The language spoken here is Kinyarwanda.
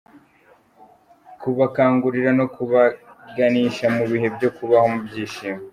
Kubakangurira no kubaganisha mu bihe byo kubaho mu byishimo.